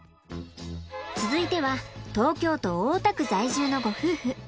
続いては東京都大田区在住のご夫婦。